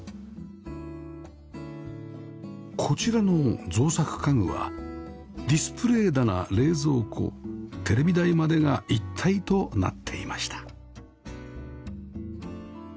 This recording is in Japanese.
こちらの造作家具はディスプレー棚冷蔵庫テレビ台までが一体となっていました